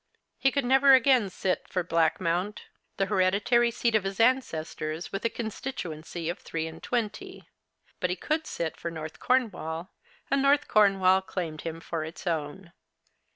He could never again 54 The Christmas Hirelings. sit for Blackmoimt, the hereditary seat of his ancestors, with a constituency of three and twenty ; but he could sit for North Cornwall, and North Cornwall claimed him for its own.